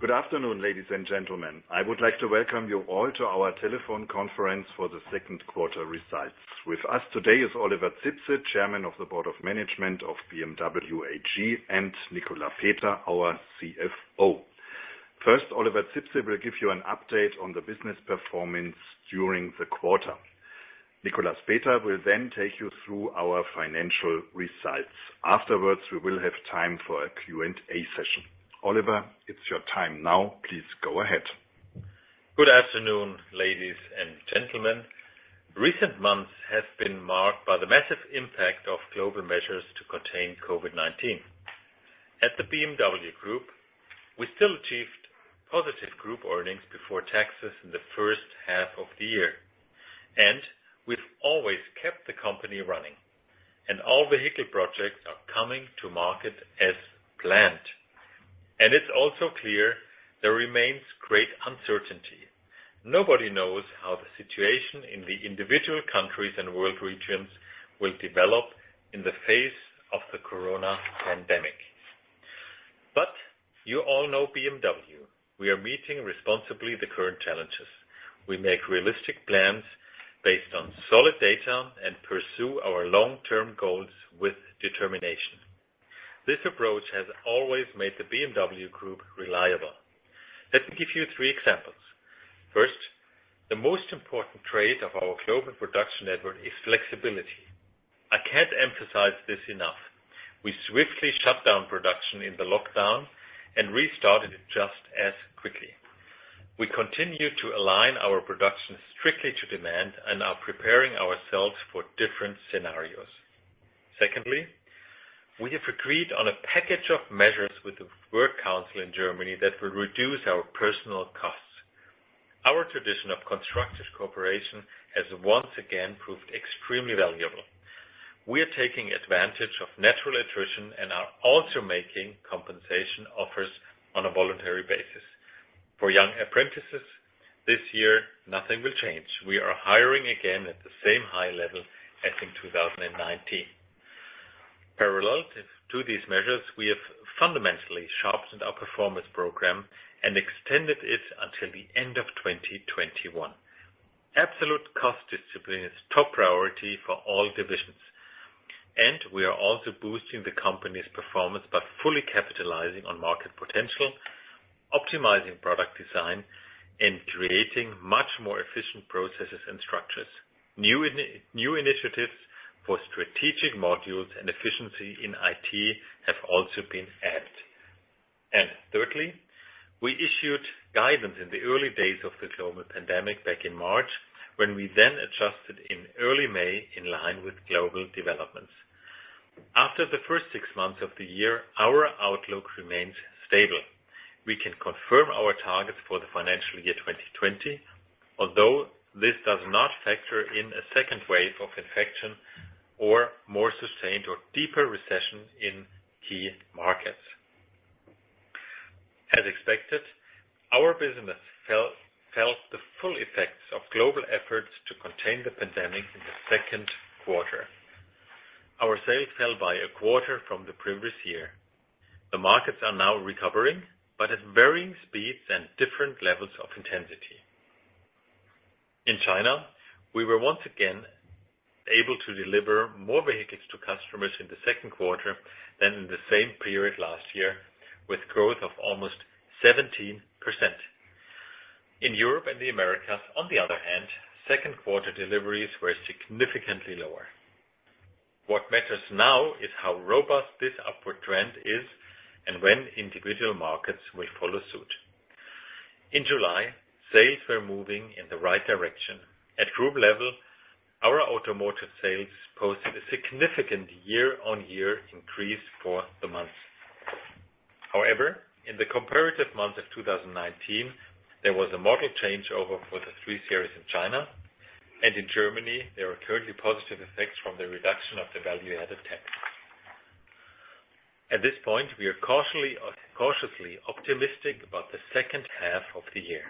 Good afternoon, ladies and gentlemen. I would like to welcome you all to our telephone conference for the second quarter results. With us today is Oliver Zipse, Chairman of the Board of Management of BMW AG, and Nicolas Peter, our CFO. Oliver Zipse will give you an update on the business performance during the quarter. Nicolas Peter will then take you through our financial results. We will have time for a Q&A session. Oliver, it's your time now. Please go ahead. Good afternoon, ladies and gentlemen. Recent months have been marked by the massive impact of global measures to contain COVID-19. At the BMW Group, we still achieved positive group earnings before taxes in the first half of the year. We've always kept the company running. All vehicle projects are coming to market as planned. It's also clear there remains great uncertainty. Nobody knows how the situation in the individual countries and world regions will develop in the face of the corona pandemic. You all know BMW. We are meeting responsibly the current challenges. We make realistic plans based on solid data and pursue our long-term goals with determination. This approach has always made the BMW Group reliable. Let me give you three examples. First, the most important trait of our global production network is flexibility. I can't emphasize this enough. We swiftly shut down production in the lockdown and restarted it just as quickly. We continue to align our production strictly to demand and are preparing ourselves for different scenarios. Secondly, we have agreed on a package of measures with the Works Council in Germany that will reduce our personal costs. Our tradition of constructive cooperation has once again proved extremely valuable. We are taking advantage of natural attrition and are also making compensation offers on a voluntary basis. For young apprentices, this year, nothing will change. We are hiring again at the same high level as in 2019. Parallel to these measures, we have fundamentally sharpened our performance program and extended it until the end of 2021. Absolute cost discipline is top priority for all divisions, and we are also boosting the company's performance by fully capitalizing on market potential, optimizing product design, and creating much more efficient processes and structures. New initiatives for strategic modules and efficiency in IT have also been added. Thirdly, we issued guidance in the early days of the global pandemic back in March, when we then adjusted in early May in line with global developments. After the first six months of the year, our outlook remains stable. We can confirm our targets for the financial year 2020, although this does not factor in a second wave of infection or more sustained or deeper recession in key markets. As expected, our business felt the full effects of global efforts to contain the pandemic in the second quarter. Our sales fell by a quarter from the previous year. The markets are now recovering, but at varying speeds and different levels of intensity. In China, we were once again able to deliver more vehicles to customers in the second quarter than in the same period last year, with growth of almost 17%. In Europe and the Americas, on the other hand, second quarter deliveries were significantly lower. What matters now is how robust this upward trend is and when individual markets will follow suit. In July, sales were moving in the right direction. At group level, our automotive sales posted a significant year-on-year increase for the month. However, in the comparative month of 2019, there was a model changeover for the 3 Series in China, and in Germany, there are currently positive effects from the reduction of the value-added tax. At this point, we are cautiously optimistic about the second half of the year.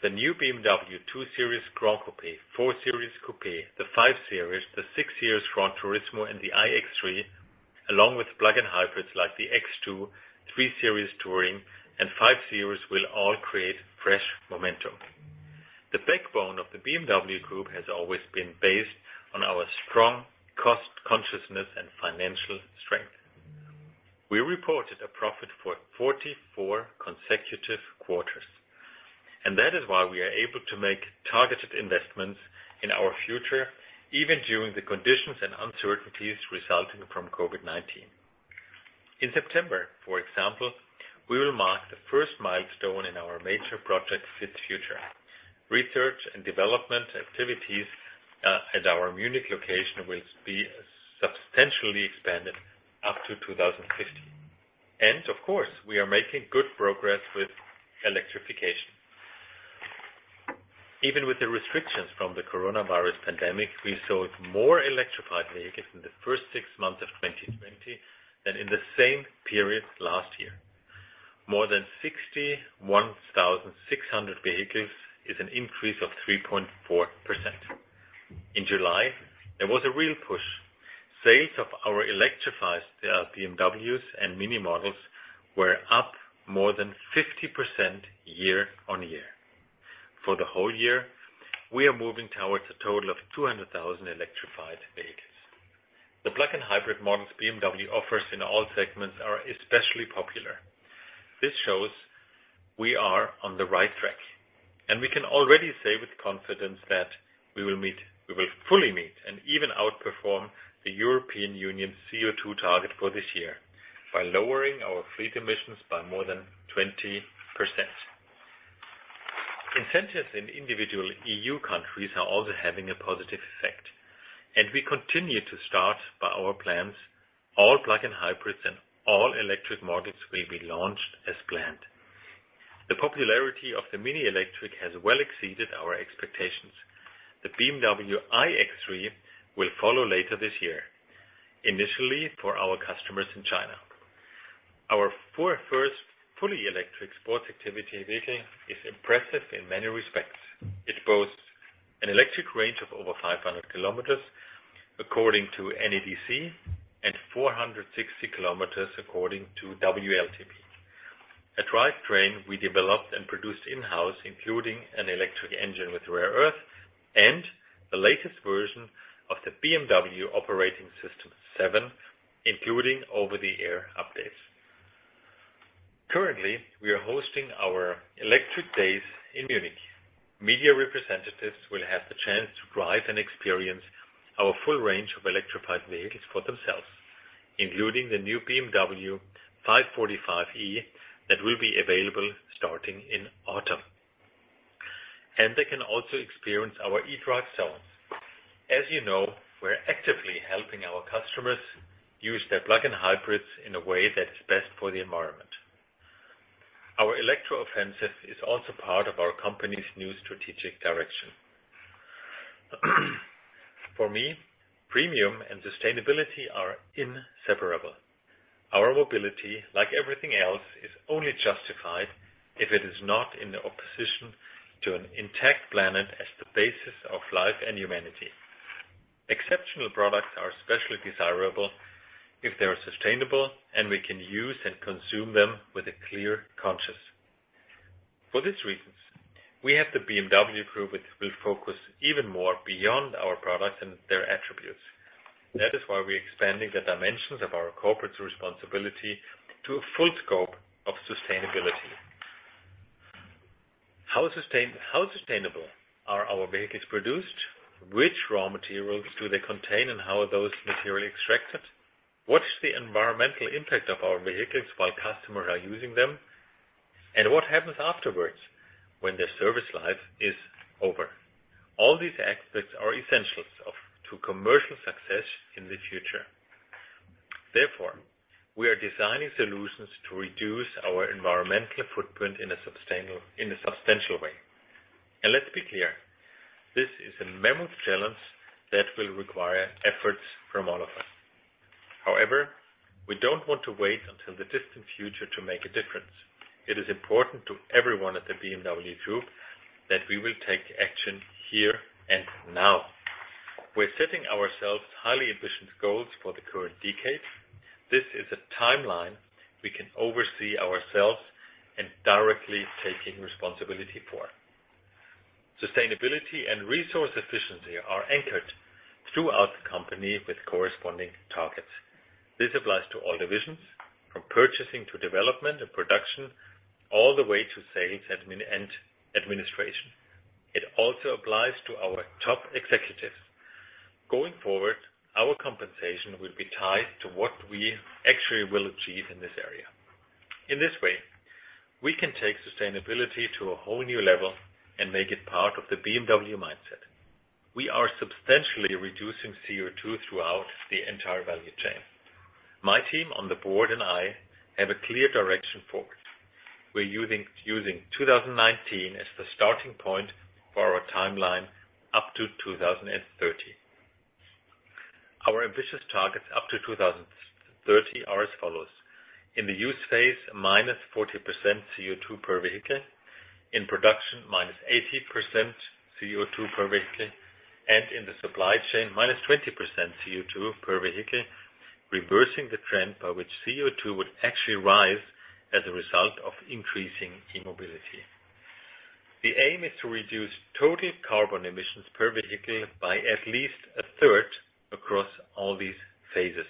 The new BMW 2 Series Gran Coupé, 4 Series Coupé, the 5 Series, the 6 Series Gran Turismo, and the iX3, along with plug-in hybrids like the X2, 3 Series Touring, and 5 Series, will all create fresh momentum. The backbone of the BMW Group has always been based on our strong cost consciousness and financial strength. We reported a profit for 44 consecutive quarters. That is why we are able to make targeted investments in our future, even during the conditions and uncertainties resulting from COVID-19. In September, for example, we will mark the first milestone in our major project, FIZ Future. Research and development activities at our Munich location will be substantially expanded up to 2050. Of course, we are making good progress with electrification. Even with the restrictions from the coronavirus pandemic, we sold more electrified vehicles in the first six months of 2020 than in the same period last year. More than 61,600 vehicles is an increase of three point four percent. In July, there was a real push. Sales of our electrified BMWs and MINI models were up more than 50% year-on-year. For the whole year, we are moving towards a total of 200,000 electrified vehicles. The plug-in hybrid models BMW offers in all segments are especially popular. This shows we are on the right track, and we can already say with confidence that we will fully meet and even outperform the European Union's CO2 target for this year by lowering our fleet emissions by more than 20%. Incentives in individual EU countries are also having a positive effect, and we continue to stand by our plans. All plug-in hybrids and all-electric models will be launched as planned. The popularity of the MINI Electric has well exceeded our expectations. The BMW iX3 will follow later this year, initially for our customers in China. Our first fully electric sports activity vehicle is impressive in many respects. It boasts an electric range of over 500 km according to NEDC, and 460 km according to WLTP. A drivetrain we developed and produced in-house, including an electric engine with rare earth and the latest version of the BMW Operating System 7, including over-the-air updates. Currently, we are hosting our electric days in Munich. Media representatives will have the chance to drive and experience our full range of electrified vehicles for themselves, including the new BMW 545e that will be available starting in autumn. They can also experience our eDrive zones. As you know, we're actively helping our customers use their plug-in hybrids in a way that is best for the environment. Our electric offensive is also part of our company's new strategic direction. For me, premium and sustainability are inseparable. Our mobility, like everything else, is only justified if it is not in opposition to an intact planet as the basis of life and humanity. Exceptional products are especially desirable if they are sustainable and we can use and consume them with a clear conscience. For these reasons, we have the BMW Group, which will focus even more beyond our products and their attributes. That is why we're expanding the dimensions of our corporate responsibility to a full scope of sustainability. How sustainable are our vehicles produced? Which raw materials do they contain, and how are those materials extracted? What's the environmental impact of our vehicles while customers are using them? What happens afterwards when their service life is over? All these aspects are essentials to commercial success in the future. Therefore, we are designing solutions to reduce our environmental footprint in a substantial way. Let's be clear, this is a mammoth challenge that will require efforts from all of us. However, we don't want to wait until the distant future to make a difference. It is important to everyone at the BMW Group that we will take action here and now. We're setting ourselves highly ambitious goals for the current decade. This is a timeline we can oversee ourselves and directly taking responsibility for. Sustainability and resource efficiency are anchored throughout the company with corresponding targets. This applies to all divisions, from purchasing to development and production, all the way to sales and administration. It also applies to our top executives. Going forward, our compensation will be tied to what we actually will achieve in this area. In this way, we can take sustainability to a whole new level and make it part of the BMW mindset. We are substantially reducing CO2 throughout the entire value chain. My team on the board and I have a clear direction forward. We're using 2019 as the starting point for our timeline up to 2030. Our ambitious targets up to 2030 are as follows. In the use phase, minus 40% CO2 per vehicle. In production, minus 80% CO2 per vehicle. In the supply chain, minus 20% CO2 per vehicle, reversing the trend by which CO2 would actually rise as a result of increasing e-mobility. The aim is to reduce total carbon emissions per vehicle by at least a third across all these phases.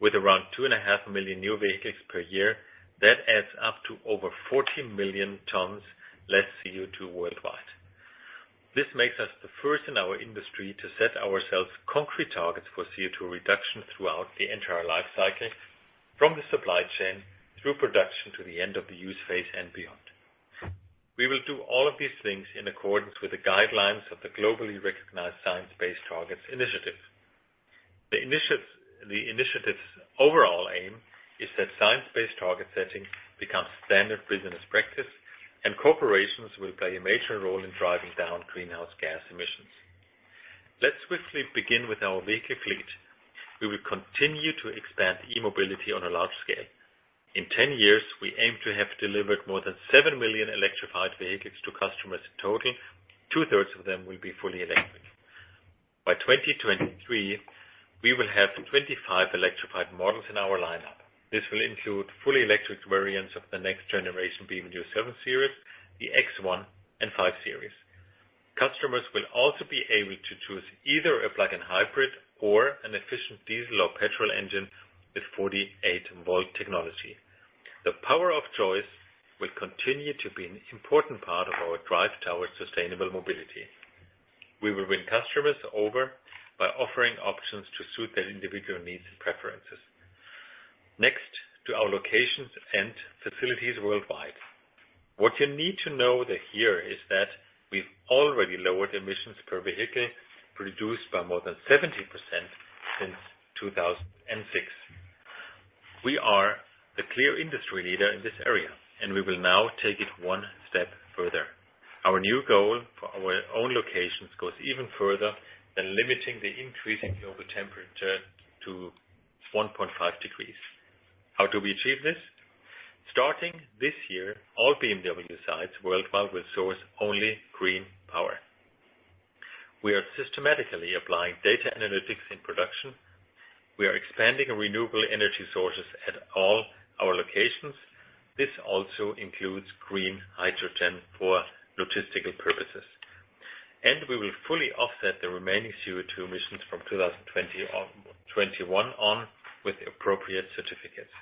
With around two and a half million new vehicles per year, that adds up to over 40 million tons less CO2 worldwide. This makes us the first in our industry to set ourselves concrete targets for CO2 reduction throughout the entire life cycle, from the supply chain through production to the end of the use phase and beyond. We will do all of these things in accordance with the guidelines of the globally recognized Science Based Targets initiative. The initiative's overall aim is that science-based target setting becomes standard business practice, and corporations will play a major role in driving down greenhouse gas emissions. Let's swiftly begin with our vehicle fleet. We will continue to expand e-mobility on a large scale. In 10 years, we aim to have delivered more than seven million electrified vehicles to customers in total. Two-thirds of them will be fully electric. By 2023, we will have 25 electrified models in our lineup. This will include fully electric variants of the next generation BMW 7 Series, the X1, and 5 Series. Customers will also be able to choose either a plug-in hybrid or an efficient diesel or petrol engine with 48-volt technology. The power of choice will continue to be an important part of our drive towards sustainable mobility. We will win customers over by offering options to suit their individual needs and preferences. To our locations and facilities worldwide. What you need to know here is that we've already lowered emissions per vehicle produced by more than 70% since 2006. We are the clear industry leader in this area, and we will now take it one step further. Our new goal for our own locations goes even further than limiting the increase in global temperature to one point five degrees. How do we achieve this? Starting this year, all BMW sites worldwide will source only green power. We are systematically applying data analytics in production. We are expanding renewable energy sources at all our locations. This also includes green hydrogen for logistical purposes. We will fully offset the remaining CO2 emissions from 2021 on with appropriate certificates.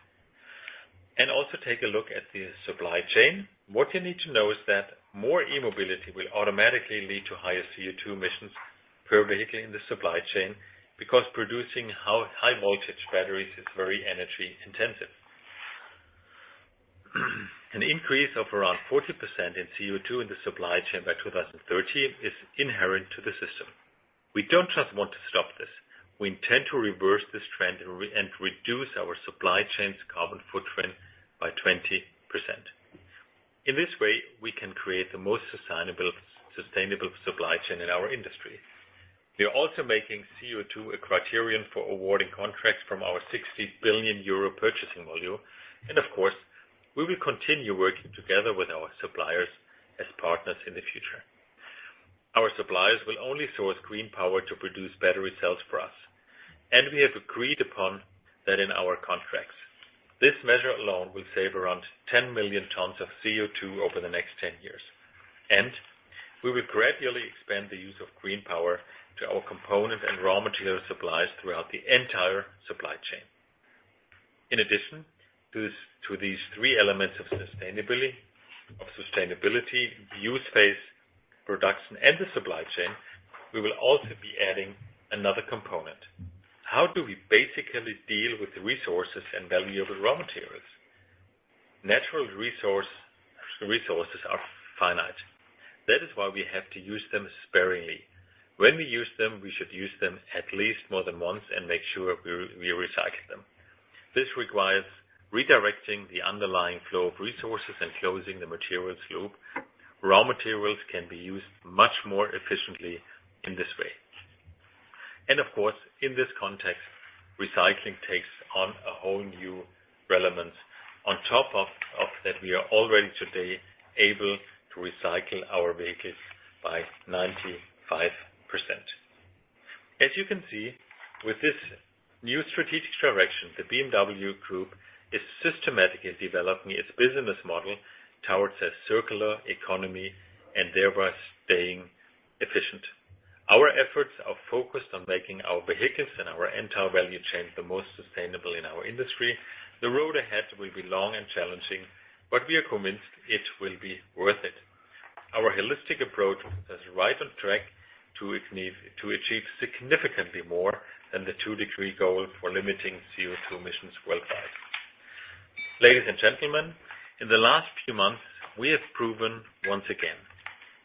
Also take a look at the supply chain. What you need to know is that more e-mobility will automatically lead to higher CO2 emissions per vehicle in the supply chain, because producing high-voltage batteries is very energy intensive. An increase of around 40% in CO2 in the supply chain by 2030 is inherent to the system. We don't just want to stop this. We intend to reverse this trend and reduce our supply chain's carbon footprint by 20%. In this way, we can create the most sustainable supply chain in our industry. We are also making CO2 a criterion for awarding contracts from our 60 billion euro purchasing volume. Of course, we will continue working together with our suppliers as partners in the future. Our suppliers will only source green power to produce battery cells for us, and we have agreed upon that in our contracts. This measure alone will save around 10 million tons of CO2 over the next 10 years. We will gradually expand the use of green power to our component and raw material supplies throughout the entire supply chain. In addition to these three elements of sustainability, use phase, production, and the supply chain, we will also be adding another component. How do we basically deal with the resources and valuable raw materials? Natural resources are finite. That is why we have to use them sparingly. When we use them, we should use them at least more than once and make sure we recycle them. This requires redirecting the underlying flow of resources and closing the materials loop. Raw materials can be used much more efficiently in this way. Of course, in this context, recycling takes on a whole new relevance. On top of that, we are already today able to recycle our vehicles by 95%. As you can see, with this new strategic direction, the BMW Group is systematically developing its business model towards a circular economy and thereby staying efficient. Our efforts are focused on making our vehicles and our entire value chain the most sustainable in our industry. The road ahead will be long and challenging, but we are convinced it will be worth it. Our holistic approach is right on track to achieve significantly more than the two-degree goal for limiting CO2 emissions worldwide. Ladies and gentlemen, in the last few months, we have proven once again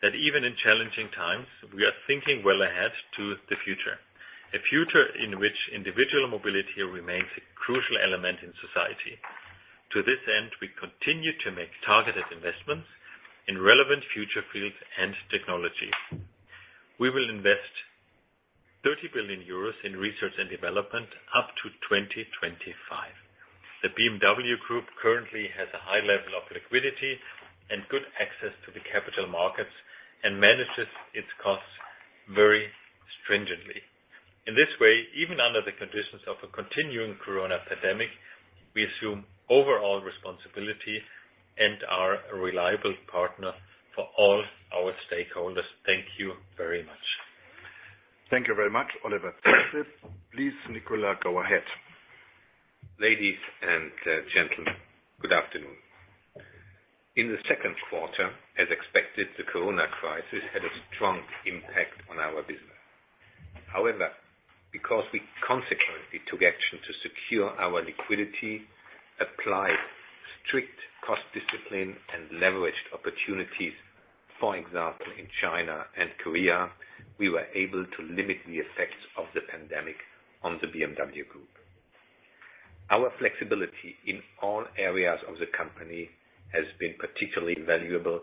that even in challenging times, we are thinking well ahead to the future, a future in which individual mobility remains a crucial element in society. To this end, we continue to make targeted investments in relevant future fields and technologies. We will invest 30 billion euros in research and development up to 2025. The BMW Group currently has a high level of liquidity and good access to the capital markets and manages its costs very stringently. In this way, even under the conditions of a continuing corona pandemic, we assume overall responsibility and are a reliable partner for all our stakeholders. Thank you very much. Thank you very much, Oliver. Please, Nicolas, go ahead. Ladies and gentlemen, good afternoon. In the second quarter, as expected, the corona crisis had a strong impact on our business. However, because we consequently took action to secure our liquidity, applied strict cost discipline, and leveraged opportunities, for example, in China and Korea, we were able to limit the effects of the pandemic on the BMW Group. Our flexibility in all areas of the company has been particularly valuable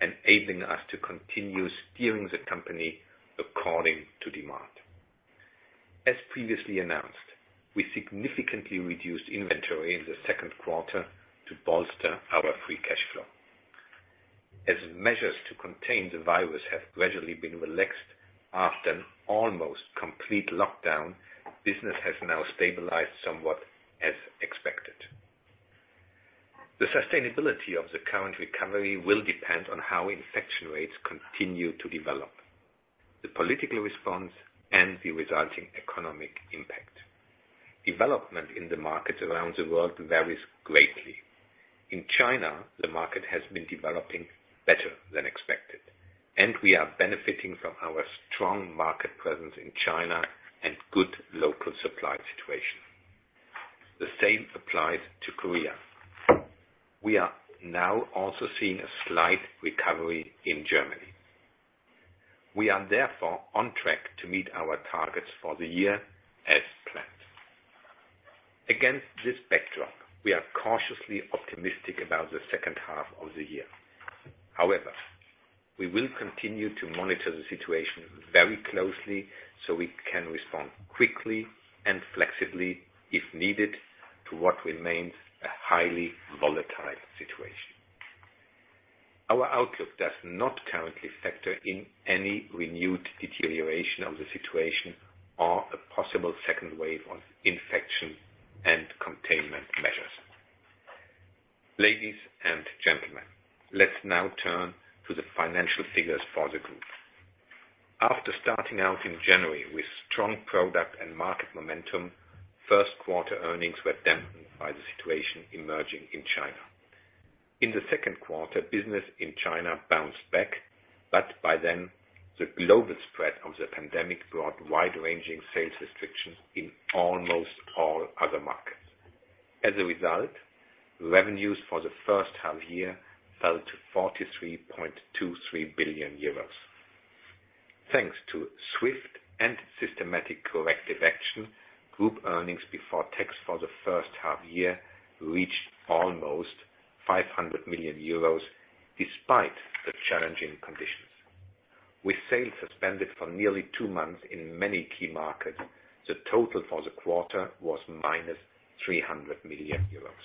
in aiding us to continue steering the company according to demand. As previously announced, we significantly reduced inventory in the second quarter to bolster our free cash flow. As measures to contain the virus have gradually been relaxed after an almost complete lockdown, business has now stabilized somewhat as expected. The sustainability of the current recovery will depend on how infection rates continue to develop, the political response, and the resulting economic impact. Development in the markets around the world varies greatly. In China, the market has been developing better than expected, and we are benefiting from our strong market presence in China and good local supply situation. The same applies to Korea. We are now also seeing a slight recovery in Germany. We are therefore on track to meet our targets for the year as planned. Against this backdrop, we are cautiously optimistic about the second half of the year. We will continue to monitor the situation very closely so we can respond quickly and flexibly, if needed, to what remains a highly volatile situation. Our outlook does not currently factor in any renewed deterioration of the situation or a possible second wave of infection and containment measures. Ladies and gentlemen, let's now turn to the financial figures for the Group. After starting out in January with strong product and market momentum, first quarter earnings were dampened by the situation emerging in China. In the second quarter, business in China bounced back. By then, the global spread of the pandemic brought wide-ranging sales restrictions in almost all other markets. As a result, revenues for the first half year fell to 43.23 billion euros. Thanks to swift and systematic corrective action, Group earnings before tax for the first half year reached almost 500 million euros, despite the challenging conditions. With sales suspended for nearly two months in many key markets, the total for the quarter was minus 300 million euros.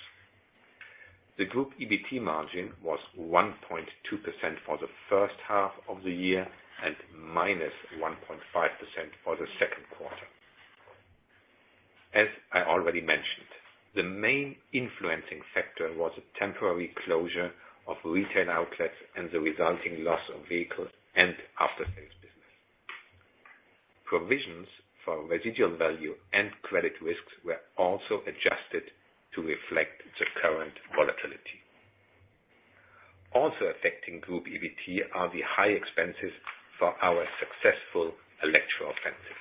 The group EBT margin was one point two percent for the first half of the year and minus one point five percent for the second quarter. As I already mentioned, the main influencing factor was a temporary closure of retail outlets and the resulting loss of vehicles and after-sales business. Provisions for residual value and credit risks were also adjusted to reflect the current volatility. Also affecting group EBT are the high expenses for our successful electric offensive.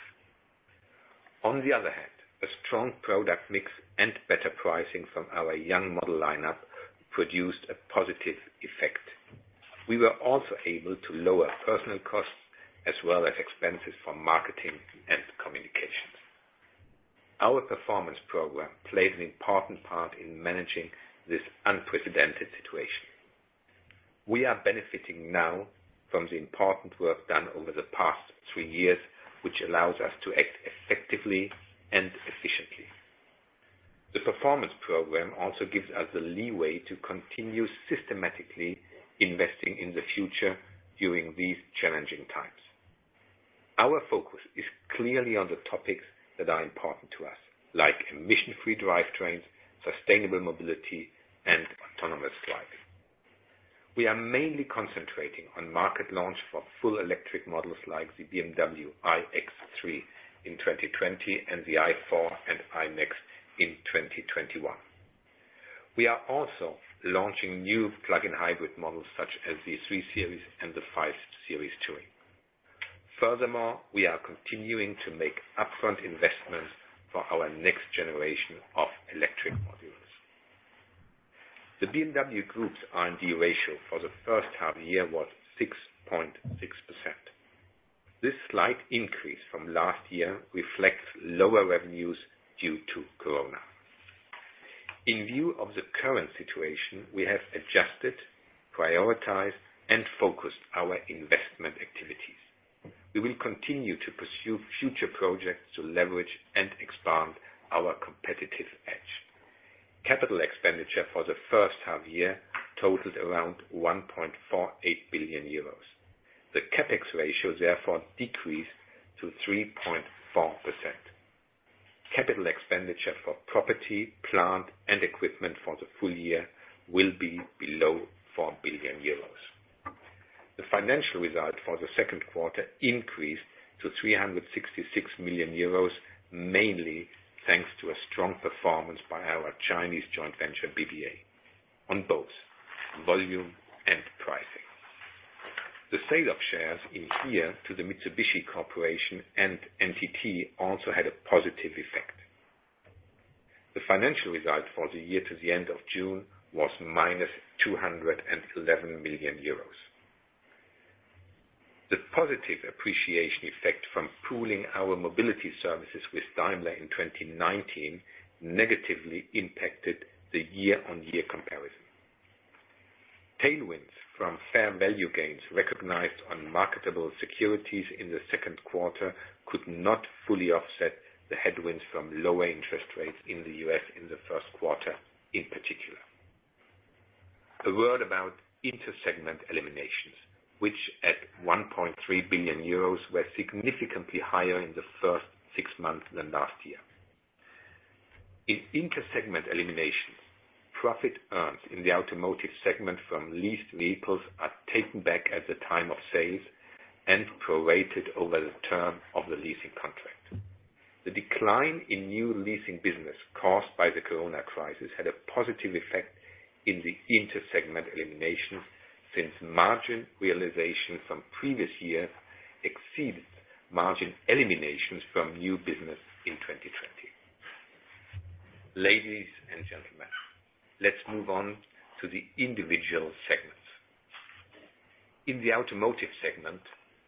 On the other hand, a strong product mix and better pricing from our young model lineup produced a positive effect. We were also able to lower personal costs as well as expenses for marketing and communications. Our Performance played an important part in managing this unprecedented situation. We are benefiting now from the important work done over the past three years, which allows us to act effectively and efficiently. The Performance program also gives us the leeway to continue systematically investing in the future during these challenging times. Our focus is clearly on the topics that are important to us, like emission-free drivetrains, sustainable mobility, and autonomous driving. We are mainly concentrating on market launch for full electric models like the BMW iX3 in 2020 and the i4 and iNEXT in 2021. We are also launching new plug-in hybrid models such as the 3 Series and the 5 Series Touring. Furthermore, we are continuing to make upfront investments for our next generation of electric modules. The BMW Group's R&D ratio for the first half year was six point six percent. This slight increase from last year reflects lower revenues due to COVID-19. In view of the current situation, we have adjusted, prioritized, and focused our investment activities. We will continue to pursue future projects to leverage and expand our competitive edge. Capital expenditure for the first half year totaled around 1.48 billion euros. The CapEx ratio therefore decreased to three point four percent. Capital expenditure for property, plant, and equipment for the full year will be below 4 billion euros. The financial result for the second quarter increased to 366 million euros, mainly thanks to a strong performance by our Chinese joint venture, BBA, on both volume and pricing. The sale of shares in HERE to the Mitsubishi Corporation and NTT also had a positive effect. The financial result for the year to the end of June was minus 211 million euros. The positive appreciation effect from pooling our mobility services with Daimler in 2019 negatively impacted the year-on-year comparison. Tailwinds from fair value gains recognized on marketable securities in the second quarter could not fully offset the headwinds from lower interest rates in the U.S. in the first quarter, in particular. A word about intersegment eliminations, which at 1.3 billion euros, were significantly higher in the first six months than last year. In intersegment eliminations, profit earned in the Automotive segment from leased vehicles are taken back at the time of sales and prorated over the term of the leasing contract. The decline in new leasing business caused by the COVID crisis had a positive effect in the intersegment eliminations, since margin realization from previous years exceeded margin eliminations from new business in 2020. Ladies and gentlemen, let's move on to the individual segments. In the automotive segment,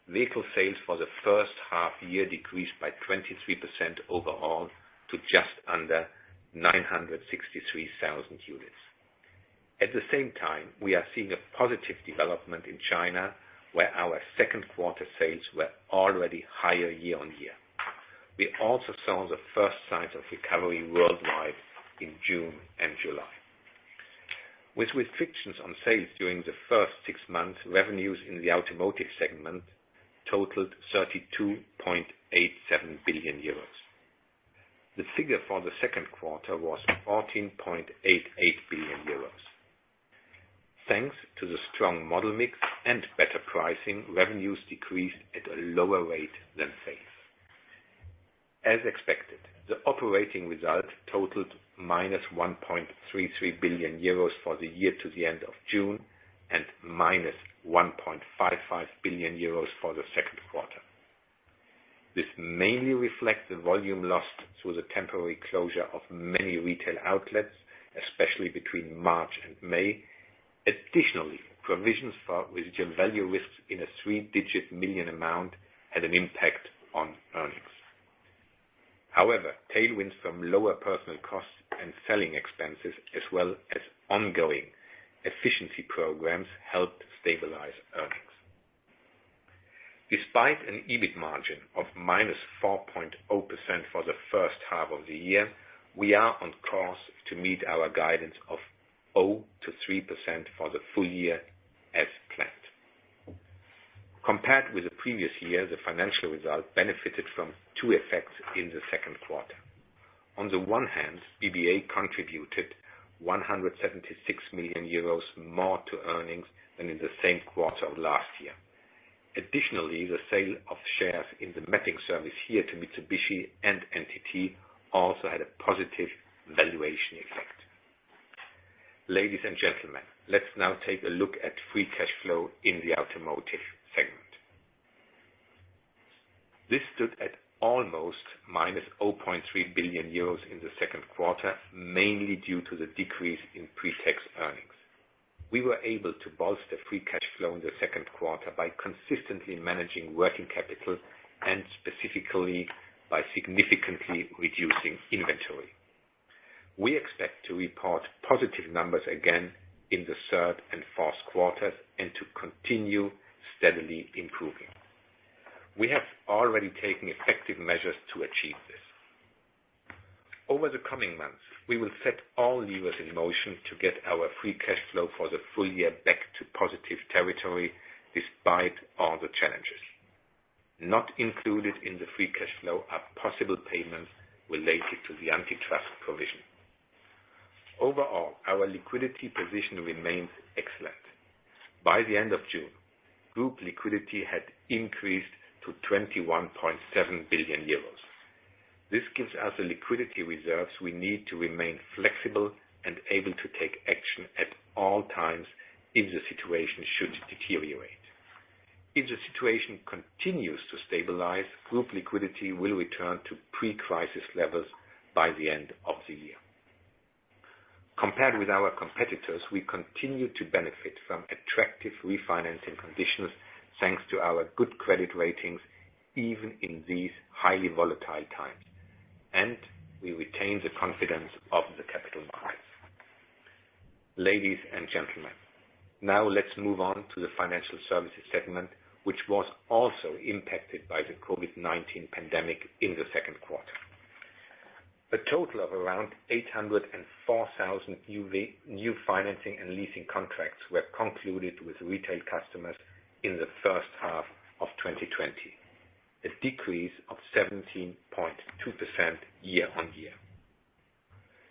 vehicle sales for the first half year decreased by 23% overall to just under 963,000 units. At the same time, we are seeing a positive development in China, where our second quarter sales were already higher year-on-year. We also saw the first signs of recovery worldwide in June and July. With restrictions on sales during the first six months, revenues in the automotive segment totaled 32.87 billion euros. The figure for the second quarter was 14.88 billion euros. Thanks to the strong model mix and better pricing, revenues decreased at a lower rate than sales. As expected, the operating result totaled minus 1.33 billion euros for the year to the end of June, and minus 1.55 billion euros for the second quarter. This mainly reflects the volume lost through the temporary closure of many retail outlets, especially between March and May. Additionally, provisions for residual value risks in a three-digit million amount had an impact on earnings. However, tailwinds from lower personal costs and selling expenses, as well as ongoing efficiency programs, helped stabilize earnings. Despite an EBIT margin of minus four percent for the first half of the year, we are on course to meet our guidance of 0 to three percent for the full year as planned. Compared with the previous year, the financial result benefited from two effects in the second quarter. On the one hand, BBA contributed 176 million euros more to earnings than in the same quarter of last year. Additionally, the sale of shares in the maintenance service HERE to Mitsubishi and NTT also had a positive valuation effect. Ladies and gentlemen, let's now take a look at free cash flow in the automotive segment. This stood at almost minus 0.3 billion euros in the second quarter, mainly due to the decrease in pre-tax earnings. We were able to bolster free cash flow in the second quarter by consistently managing working capital and specifically by significantly reducing inventory. We expect to report positive numbers again in the third and fourth quarters, and to continue steadily improving. We have already taken effective measures to achieve this. Over the coming months, we will set all levers in motion to get our free cash flow for the full year back to positive territory, despite all the challenges. Not included in the free cash flow are possible payments related to the antitrust provision. Overall, our liquidity position remains excellent. By the end of June, group liquidity had increased to 21.7 billion euros. This gives us the liquidity reserves we need to remain flexible and able to take action at all times if the situation should deteriorate. If the situation continues to stabilize, group liquidity will return to pre-crisis levels by the end of the year. Compared with our competitors, we continue to benefit from attractive refinancing conditions, thanks to our good credit ratings, even in these highly volatile times, and we retain the confidence of the capital markets. Ladies and gentlemen, now let's move on to the financial services segment, which was also impacted by the COVID-19 pandemic in the second quarter. A total of around 804,000 new financing and leasing contracts were concluded with retail customers in the first half of 2020, a decrease of 17.2% year-on-year.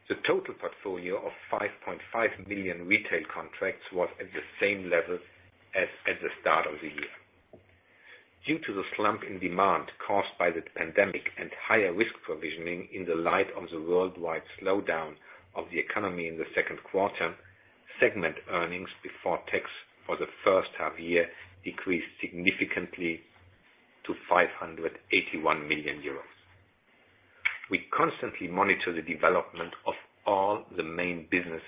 The total portfolio of five point five million retail contracts was at the same level as at the start of the year. Due to the slump in demand caused by the pandemic and higher risk provisioning in the light of the worldwide slowdown of the economy in the second quarter, segment earnings before tax for the first half-year decreased significantly to 581 million euros. We constantly monitor the development of all the main business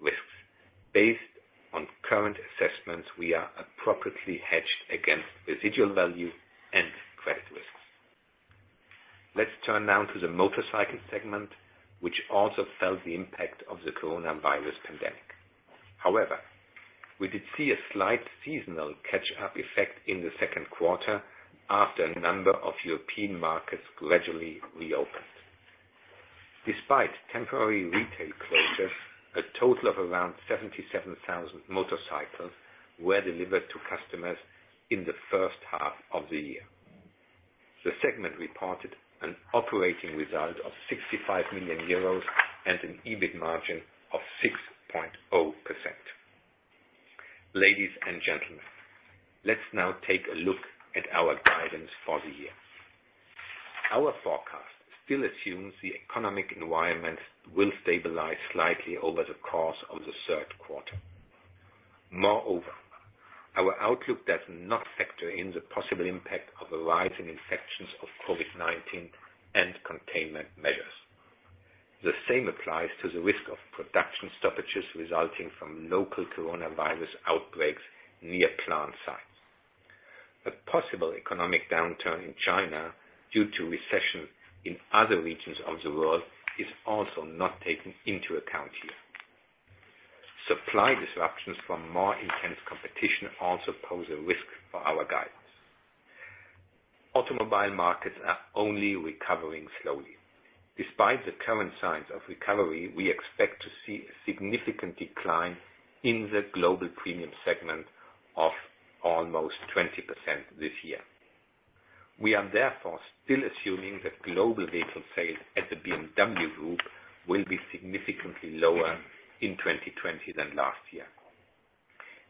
risks. Based on current assessments, we are appropriately hedged against residual value and credit risk. Let's turn now to the motorcycle segment, which also felt the impact of the coronavirus pandemic. We did see a slight seasonal catch-up effect in the second quarter after a number of European markets gradually reopened. Despite temporary retail closures, a total of around 77,000 motorcycles were delivered to customers in the first half-year. The segment reported an operating result of 65 million euros and an EBIT margin of six point zero percent. Ladies and gentlemen, let's now take a look at our guidance for the year. Our forecast still assumes the economic environment will stabilize slightly over the course of the third quarter. Our outlook does not factor in the possible impact of a rise in infections of COVID-19 and containment measures. The same applies to the risk of production stoppages resulting from local coronavirus outbreaks near plant sites. A possible economic downturn in China due to recession in other regions of the world is also not taken into account here. Supply disruptions from more intense competition also pose a risk for our guidance. Automobile markets are only recovering slowly. Despite the current signs of recovery, we expect to see a significant decline in the global premium segment of almost 20% this year. We are therefore still assuming that global vehicle sales at the BMW Group will be significantly lower in 2020 than last year.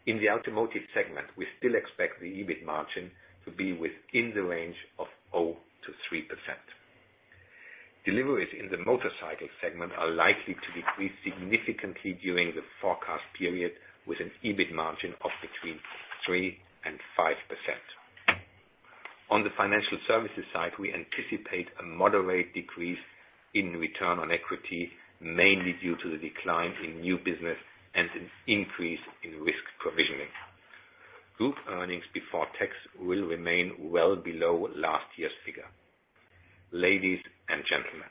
In the automotive segment, we still expect the EBIT margin to be within the range of 0 to three percent. Deliveries in the motorcycle segment are likely to decrease significantly during the forecast period, with an EBIT margin of between three and five percent. On the financial services side, we anticipate a moderate decrease in return on equity, mainly due to the decline in new business and an increase in risk provisioning. Group earnings before tax will remain well below last year's figure. Ladies and gentlemen,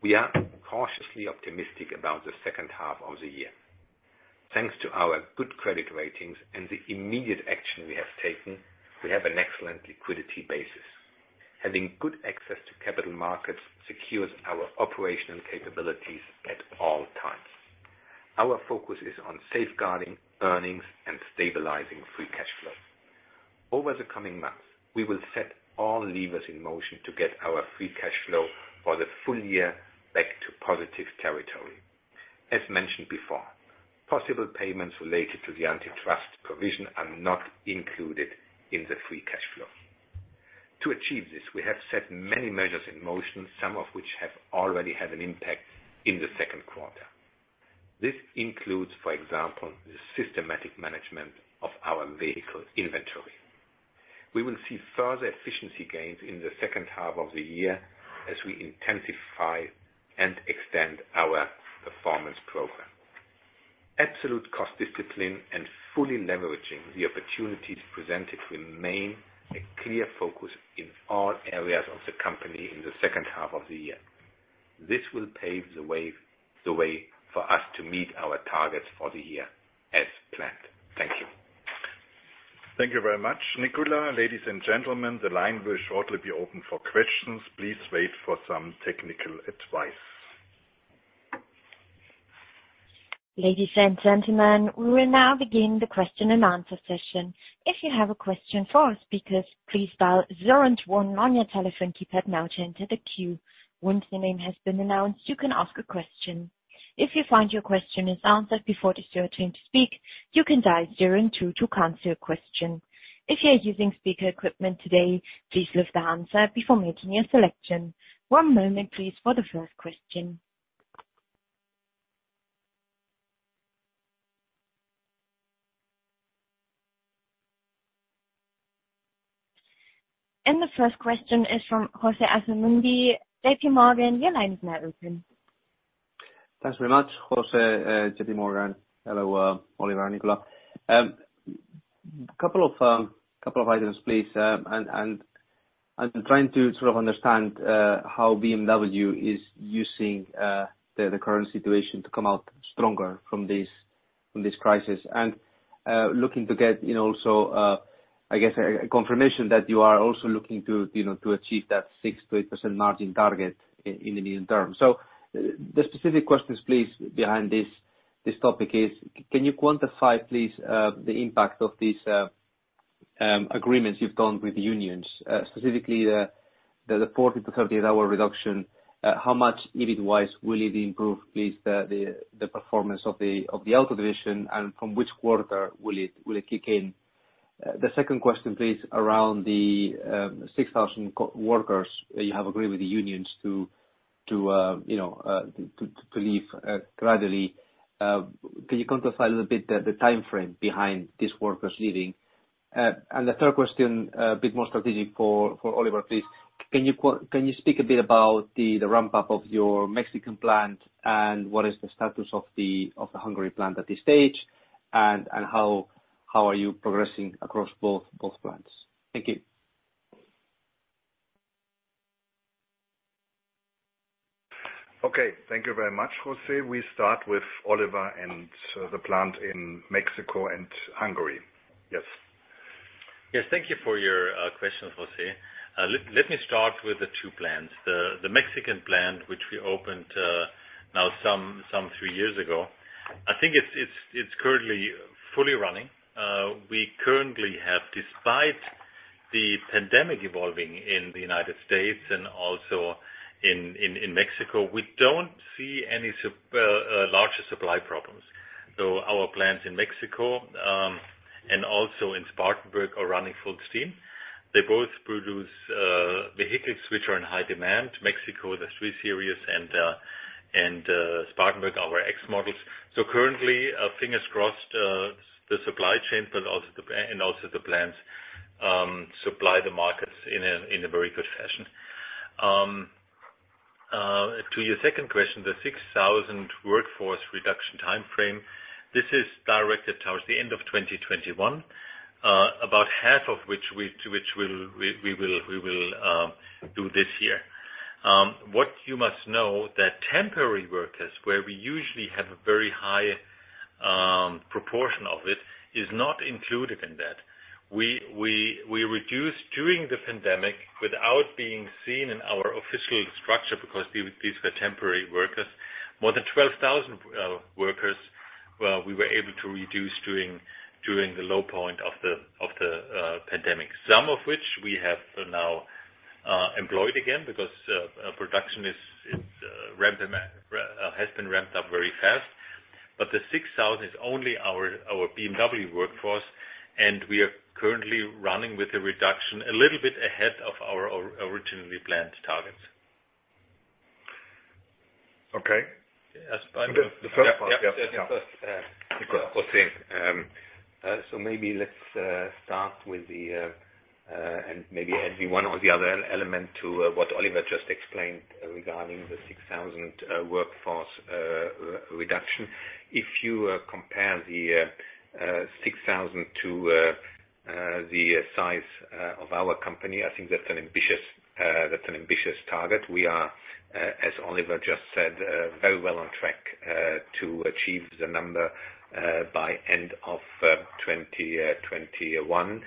we are cautiously optimistic about the second half of the year. Thanks to our good credit ratings and the immediate action we have taken, we have an excellent liquidity basis. Having good access to capital markets secures our operational capabilities at all times. Our focus is on safeguarding earnings and stabilizing free cash flow. Over the coming months, we will set all levers in motion to get our free cash flow for the full year back to positive territory. As mentioned before, possible payments related to the antitrust provision are not included in the free cash flow. To achieve this, we have set many measures in motion, some of which have already had an impact in the second quarter. This includes, for example, the systematic management of our vehicle inventory. We will see further efficiency gains in the second half of the year as we intensify and extend our performance program. Absolute cost discipline and fully leveraging the opportunities presented remain a clear focus in all areas of the company in the second half of the year. This will pave the way for us to meet our targets for the year as planned. Thank you. Thank you very much, Nicolas. Ladies and gentlemen, the line will shortly be open for questions. Please wait for some technical advice. Ladies and gentlemen, we will now begin the question-and-answer session. If you have a question for our speakers, please dial zero and one on your telephone keypad now to enter the queue. Once your name has been announced, you can ask a question. If you find your question is answered before it is your turn to speak, you can dial zero and two to cancel your question. If you are using speaker equipment today, please lift the handset before making your selection. One moment, please, for the first question. The first question is from José Asumendi, JPMorgan. Your line is now open. Thanks very much. José, JPMorgan. Hello, Oliver and Nicolas. A couple of items, please. I'm trying to sort of understand how BMW is using the current situation to come out stronger from this crisis, and looking to get also, I guess, a confirmation that you are also looking to achieve that six to eight percent margin target in the medium term. The specific questions, please, behind this topic is can you quantify, please, the impact of these agreements you've done with the unions, specifically the 40% hour reduction? How much EBIT-wise will it improve, please, the performance of the auto division, and from which quarter will it kick in? The second question, please, around the 6,000 workers you have agreed with the unions to leave gradually. Can you quantify a little bit the timeframe behind these workers leaving? The third question, a bit more strategic for Oliver, please. Can you speak a bit about the ramp-up of your Mexican plant, and what is the status of the Hungary plant at this stage? How are you progressing across both plants? Thank you. Okay, thank you very much, José. We start with Oliver and the plant in Mexico and Hungary. Yes. Thank you for your question, José. Let me start with the two plants. The Mexican plant, which we opened now some three years ago, I think it's currently fully running. We currently have, despite the pandemic evolving in the U.S. and also in Mexico, we don't see any larger supply problems. Our plants in Mexico, and also in Spartanburg, are running full steam. They both produce vehicles which are in high demand. Mexico, the 3 Series, and Spartanburg, our X models. Currently, fingers crossed, the supply chain and also the plants supply the markets in a very good fashion. To your second question, the 6,000 workforce reduction timeframe, this is directed towards the end of 2021, about half of which we will do this year. What you must know, that temporary workers, where we usually have a very high proportion of it, is not included in that. We reduced during the pandemic without being seen in our official structure because these were temporary workers. More than 12,000 workers, we were able to reduce during the low point of the pandemic. Some of which we have now employed again because production has been ramped up very fast. The 6,000 is only our BMW workforce, and we are currently running with a reduction a little bit ahead of our originally planned targets. Okay. Yes. The first part, yeah. Yeah. The first. Go ahead. José. Maybe let's start with the, and maybe add one or the other element to what Oliver just explained regarding the 6,000 workforce reduction. If you compare the 6,000 to the size of our company, I think that's an ambitious target. We are, as Oliver just said, very well on track to achieve the number by end of 2021.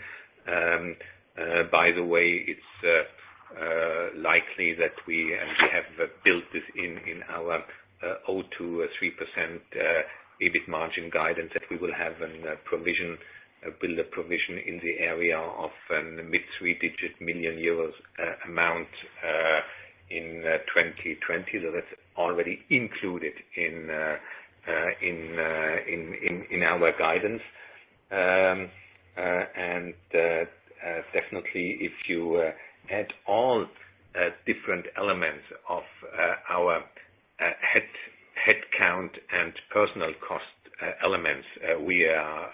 It's likely that we, and we have built this in our 0 to three percent EBIT margin guidance, that we will have a provision, build a provision in the area of a mid-three digit million EUR amount in 2020. That's already included in our guidance. Definitely, if you add all different elements of our headcount and personal cost elements, we are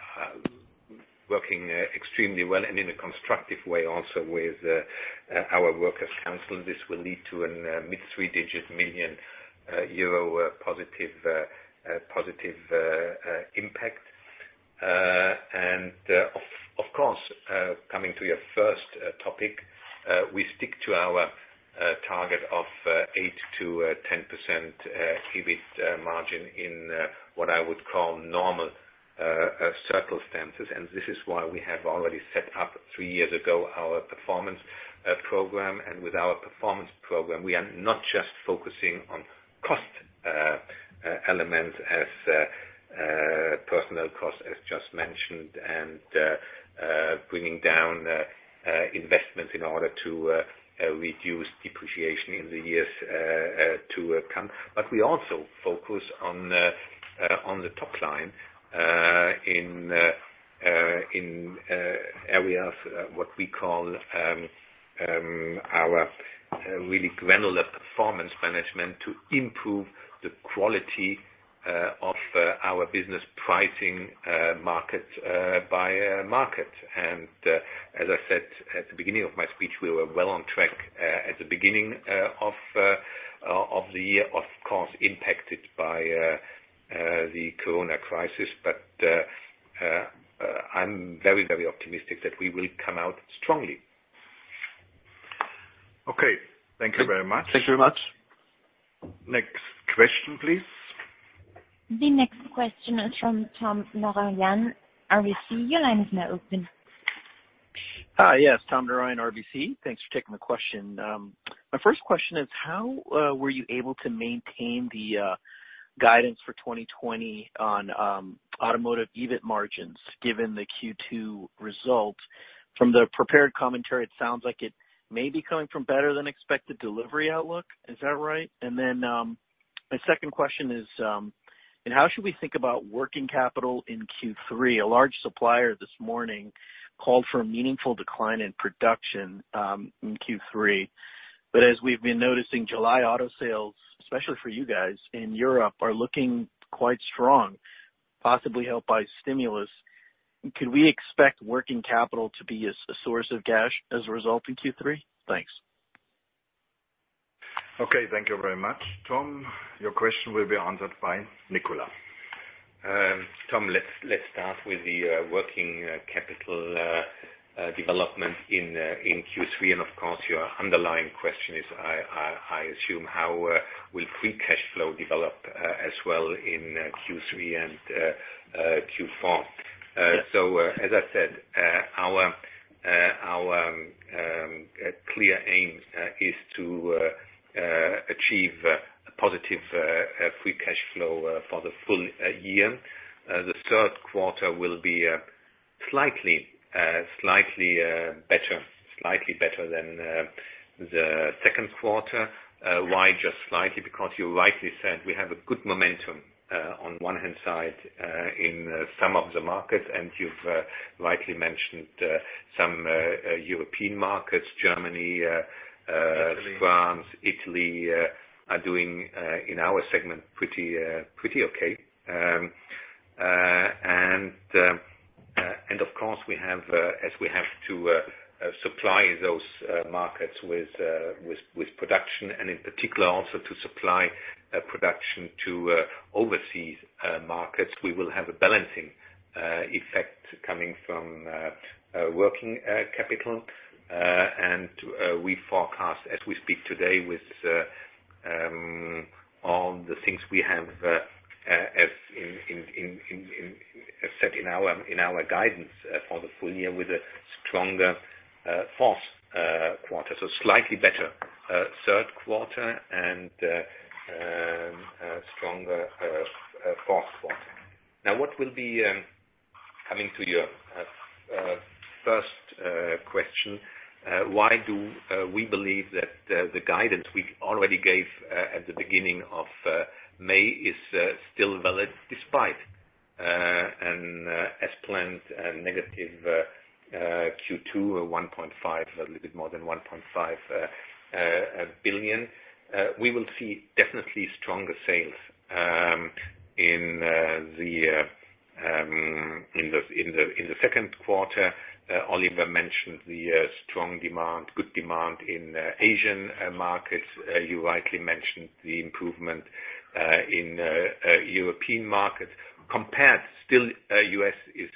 working extremely well and in a constructive way also with our Works Council. This will lead to a mid-three digit million EUR positive impact. Of course, coming to your first topic, we stick to our target of eight to 10% EBIT margin in what I would call normal circumstances. This is why we have already set up three years ago our Performance program. With our Performance program, we are not just focusing on cost elements as personnel cost, as just mentioned, and bringing down investments in order to reduce depreciation in the years to come. We also focus on the top line, in areas, what we call our really granular performance management to improve the quality of our business pricing, market by market. As I said at the beginning of my speech, we were well on track at the beginning of the year, of course, impacted by the Corona crisis. I'm very, very optimistic that we will come out strongly. Okay. Thank you very much. Next question, please. The next question is from Tom Narayan, RBC. Your line is now open. Hi, yes. Tom Narayan, RBC. Thanks for taking the question. My first question is how were you able to maintain the guidance for 2020 on automotive EBIT margins given the Q2 results? From the prepared commentary, it sounds like it may be coming from better than expected delivery outlook. Is that right? My second question is, how should we think about working capital in Q3? A large supplier this morning called for a meaningful decline in production in Q3. As we've been noticing, July auto sales, especially for you guys in Europe, are looking quite strong, possibly helped by stimulus. Could we expect working capital to be a source of cash as a result in Q3? Thanks. Okay, thank you very much, Tom. Your question will be answered by Nicolas. Tom, let's start with the working capital development in Q3, of course, your underlying question is, I assume, how will free cash flow develop as well in Q3 and Q4? As I said, our clear aim is to achieve a positive free cash flow for the full year. The third quarter will be slightly better than the second quarter. Why just slightly? Because you rightly said we have a good momentum on one hand side in some of the markets, and you've rightly mentioned some European markets, Germany France, Italy are doing, in our segment, pretty okay. Of course, as we have to supply those markets with production and in particular also to supply production to overseas markets, we will have a balancing effect coming from working capital. We forecast, as we speak today, with all the things we have set in our guidance for the full year with a stronger fourth quarter. Slightly better third quarter and a stronger fourth quarter. What will be coming to your first question, why do we believe that the guidance we already gave at the beginning of May is still valid despite an as planned negative Q2 of a little bit more than 1.5 billion? We will see definitely stronger sales in the second quarter. Oliver mentioned the strong demand, good demand in Asian markets. You rightly mentioned the improvement in European markets. Compared, still, U.S. is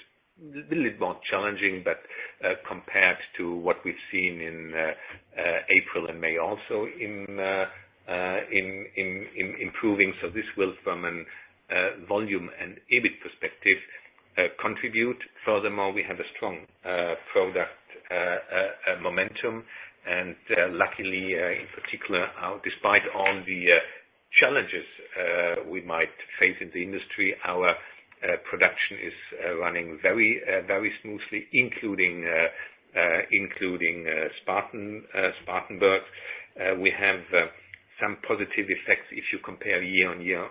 a little bit more challenging, but compared to what we've seen in April and May also improving. This will, from a volume and EBIT perspective, contribute. Furthermore, we have a strong product momentum. Luckily, in particular, despite all the challenges we might face in the industry, our production is running very smoothly, including Spartanburg. We have some positive effects if you compare year on year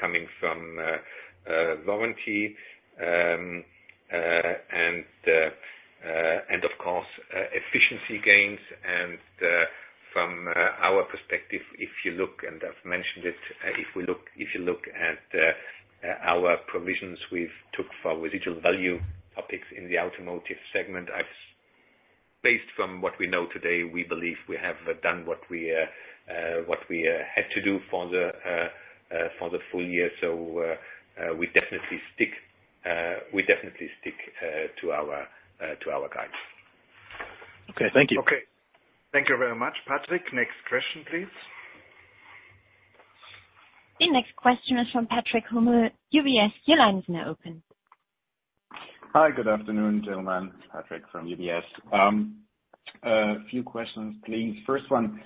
coming from warranty, and of course, efficiency gains. From our perspective, if you look, and I've mentioned it, if you look at our provisions we've took for residual value provisions in the automotive segment, based from what we know today, we believe we have done what we had to do for the full year. We definitely stick to our guides. Okay. Thank you. Okay. Thank you very much, Patrick. Next question, please. The next question is from Patrick Hummel, UBS. Your line is now open. Hi. Good afternoon, gentlemen. Patrick from UBS. A few questions, please. First one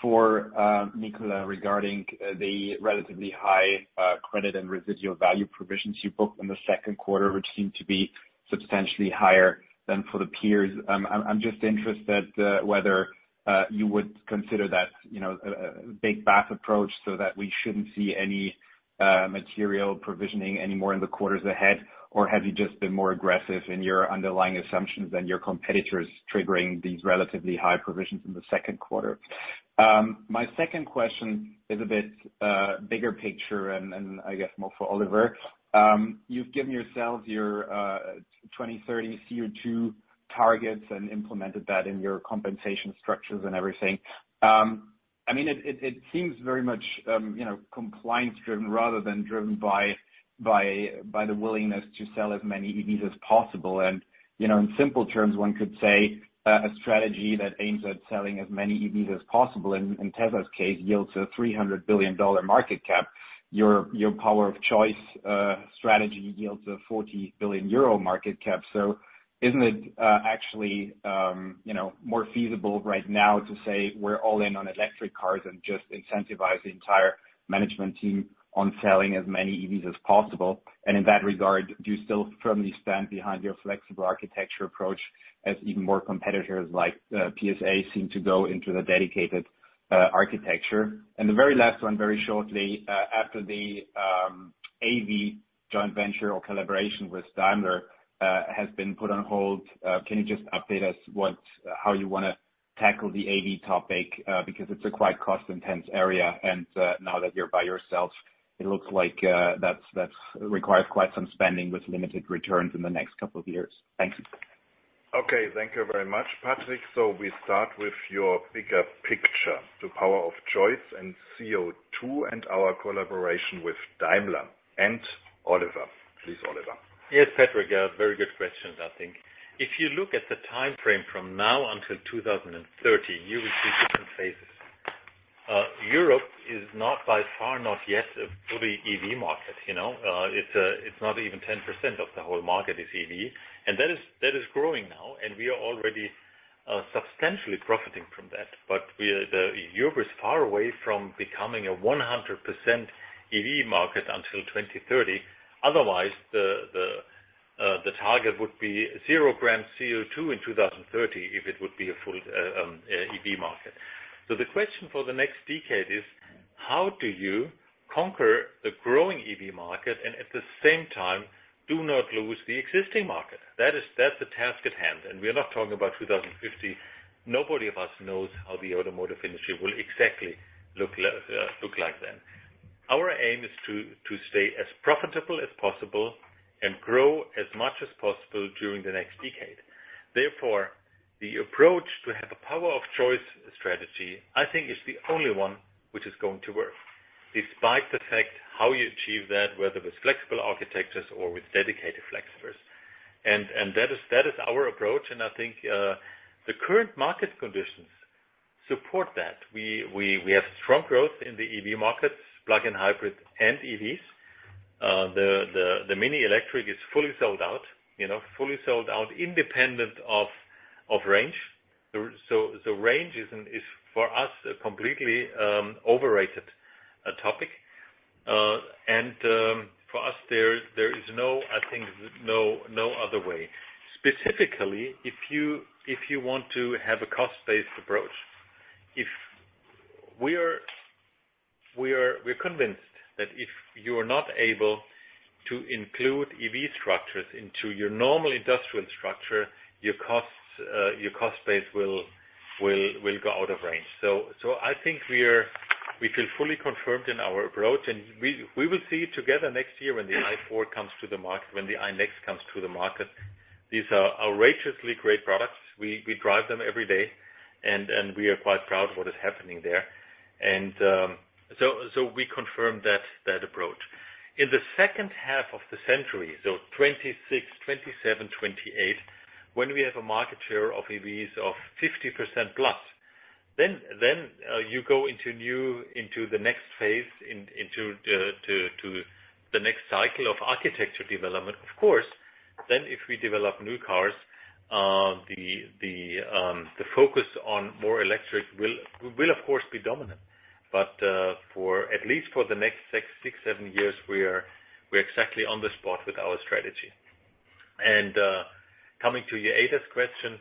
for Nicolas regarding the relatively high credit and residual value provisions you booked in the second quarter, which seem to be substantially higher than for the peers. I'm just interested whether you would consider that a big bath approach so that we shouldn't see any material provisioning anymore in the quarters ahead, or have you just been more aggressive in your underlying assumptions than your competitors triggering these relatively high provisions in the second quarter? My second question is a bit bigger picture and I guess more for Oliver. You've given yourselves your 2030 CO2 targets and implemented that in your compensation structures and everything. It seems very much compliance driven rather than driven by the willingness to sell as many EVs as possible. In simple terms, one could say a strategy that aims at selling as many EVs as possible, in Tesla's case, yields a $300 billion market cap. Your power of choice strategy yields a 40 billion euro market cap. Isn't it actually more feasible right now to say we're all in on electric cars and just incentivize the entire management team on selling as many EVs as possible? In that regard, do you still firmly stand behind your flexible architecture approach as even more competitors like PSA seem to go into the dedicated architecture? The very last one, very shortly, after the AV joint venture or collaboration with Daimler has been put on hold, can you just update us how you want to tackle the AV topic? It's a quite cost-intense area, and now that you're by yourself, it looks like that requires quite some spending with limited returns in the next couple of years. Thanks. Okay, thank you very much, Patrick. We start with your bigger picture, the power of choice and CO2 and our collaboration with Daimler. Oliver. Please, Oliver. Yes, Patrick, very good questions, I think. If you look at the time frame from now until 2030, you will see different phases. Europe is not by far not yet a fully EV market. It's not even 10% of the whole market is EV. That is growing now, and we are already substantially profiting from that. Europe is far away from becoming a 100% EV market until 2030. Otherwise, the target would be zero gram CO2 in 2030, if it would be a full EV market. The question for the next decade is: how do you conquer the growing EV market and at the same time do not lose the existing market? That's the task at hand, and we are not talking about 2050. Nobody of us knows how the automotive industry will exactly look like then. Our aim is to stay as profitable as possible and grow as much as possible during the next decade. Therefore, the approach to have a power of choice strategy, I think, is the only one which is going to work, despite the fact how you achieve that, whether with flexible architectures or with dedicated architectures. That is our approach, and I think the current market conditions support that. We have strong growth in the EV markets, plug-in hybrid and EVs. The MINI Electric is fully sold out. Fully sold out independent of range. Range is, for us, a completely overrated topic. For us, there is no other way. Specifically, if you want to have a cost-based approach. We're convinced that if you are not able to include EV structures into your normal industrial structure, your cost base will go out of range. I think we feel fully confirmed in our approach, and we will see together next year when the i4 comes to the market, when the iNEXT comes to the market. These are outrageously great products. We drive them every day, and we are quite proud of what is happening there. We confirm that approach. In the second half of the century, 2026, 2027, 2028, when we have a market share of EVs of 50%-plus, you go into the next phase, into the next cycle of architecture development. Of course, if we develop new cars, the focus on more electric will of course be dominant. At least for the next six, seven years, we are exactly on the spot with our strategy. Coming to your ADAS question,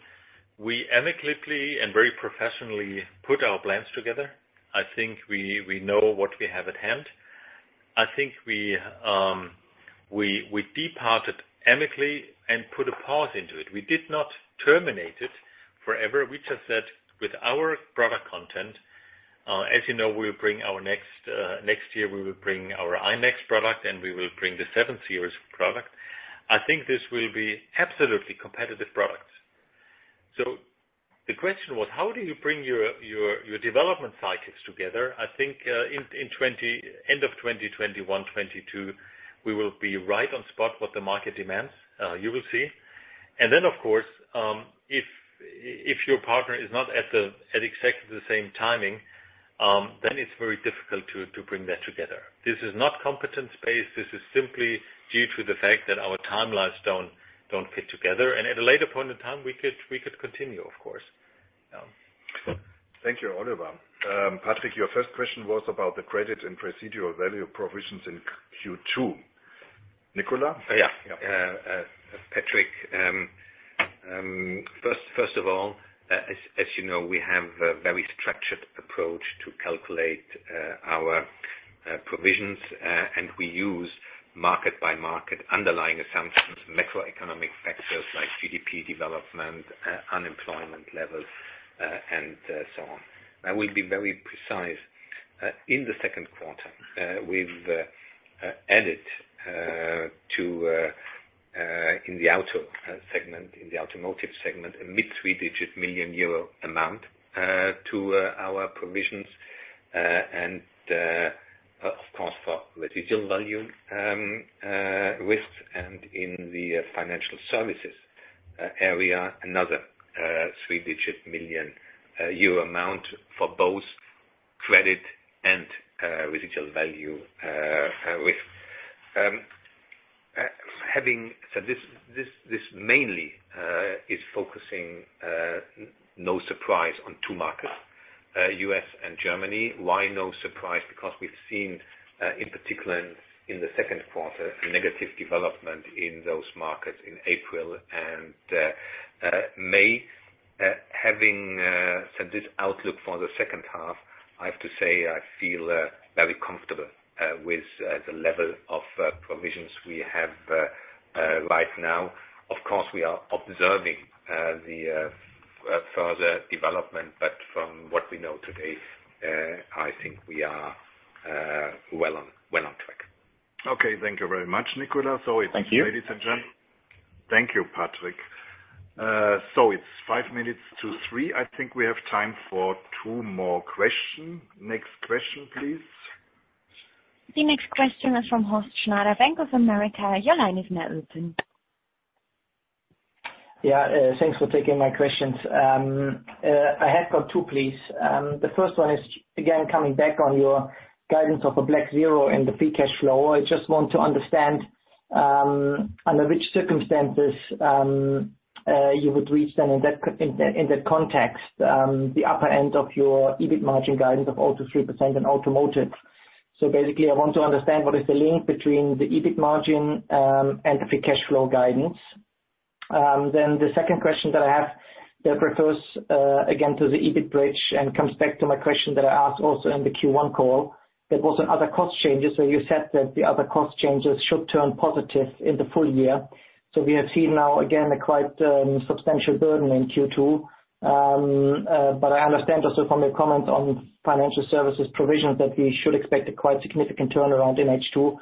we amicably and very professionally put our plans together. I think we know what we have at hand. I think we departed amicably and put a pause into it. We did not terminate it forever. We just said with our product content, as you know, next year we will bring our BMW iNEXT, and we will bring the BMW 7 Series. I think this will be absolutely competitive products. The question was, how do you bring your development cycles together? I think end of 2021, 2022, we will be right on spot what the market demands. You will see. Of course, if your partner is not at exactly the same timing, then it's very difficult to bring that together. This is not competence-based, this is simply due to the fact that our timelines don't fit together, and at a later point in time, we could continue, of course. Thank you, Oliver. Patrick, your first question was about the credit and residual value provisions in Q2. Nicolas? Yeah. Patrick, first of all, as you know, we have a very structured approach to calculate our provisions, and we use market-by-market underlying assumptions, macroeconomic factors like GDP development, unemployment levels, and so on. I will be very precise. In the second quarter, we've added in the auto segment, in the automotive segment, a mid-3 digit million EUR amount to our provisions. Of course, for residual value risks and in the financial services area, another 3-digit million euro amount for both credit and residual value risk. This mainly is focusing, no surprise, on two markets, U.S. and Germany. Why no surprise? We've seen, in particular in the second quarter, negative development in those markets in April and May. Having said this outlook for the second half, I have to say I feel very comfortable with the level of provisions we have right now. Of course, we are observing the further development, but from what we know today, I think we are well on track. Okay, thank you very much, Nicola. Thank you. Thank you, Patrick. It's five minutes to 3:00 P.M. I think we have time for two more questions. Next question, please. The next question is from Horst Schneider, Bank of America. Your line is now open. Yeah, thanks for taking my questions. I had got two, please. The first one is, again, coming back on your guidance of a black zero in the free cash flow. I just want to understand, under which circumstances you would reach, in that context, the upper end of your EBIT margin guidance of 0 to three percent in automotive. Basically, I want to understand what is the link between the EBIT margin and free cash flow guidance. The second question that I have that refers, again, to the EBIT bridge and comes back to my question that I asked also in the Q1 call, that was on other cost changes, where you said that the other cost changes should turn positive in the full year. We have seen now again a quite substantial burden in Q2. I understand also from your comment on financial services provisions that we should expect a quite significant turnaround in H2.